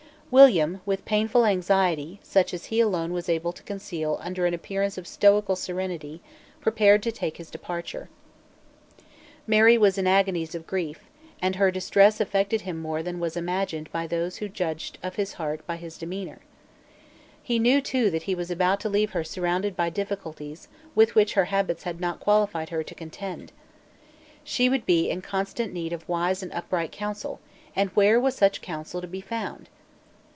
William, with painful anxiety, such as he alone was able to conceal under an appearance of stoical serenity, prepared to take his departure. Mary was in agonies of grief; and her distress affected him more than was imagined by those who judged of his heart by his demeanour, He knew too that he was about to leave her surrounded by difficulties with which her habits had not qualified her to contend. She would be in constant need of wise and upright counsel; and where was such counsel to be found?